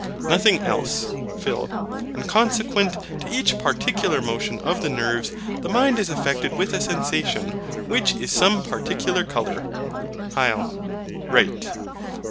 Nothing else. PHIL. And consequent to each particular motion of the nerves, the mind is affected with a sensation, which is some particular colour. HYL. Right.